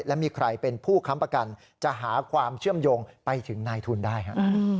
และมีใครเป็นผู้ค้ำประกันจะหาความเชื่อมโยงไปถึงนายทุนได้ครับ